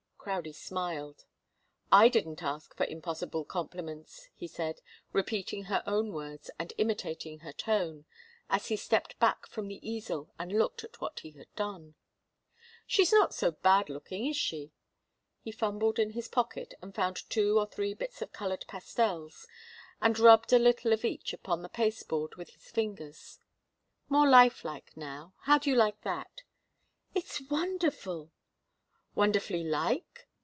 Crowdie smiled. "I didn't ask for impossible compliments," he said, repeating her own words and imitating her tone, as he stepped back from the easel and looked at what he had done. "She's not so bad looking, is she?" He fumbled in his pocket and found two or three bits of coloured pastels and rubbed a little of each upon the pasteboard with his fingers. "More life like, now. How do you like that?" "It's wonderful!" "Wonderfully like?"